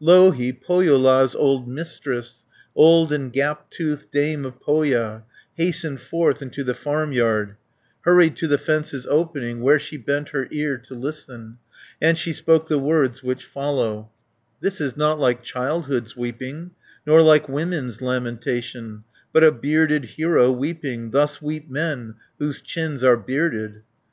Louhi, Pohjola's old Mistress, Old and gap toothed dame of Pohja, 170 Hastened forth into the farmyard, Hurried to the fence's opening, Where she bent her ear to listen, And she spoke the words which follow: "This is not like childhood's weeping Nor like women's lamentation, But a bearded hero weeping; Thus weep men whose chins are bearded."